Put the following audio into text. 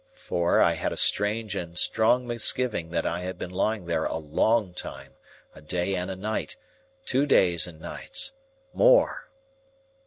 For, I had a strange and strong misgiving that I had been lying there a long time—a day and a night,—two days and nights,—more.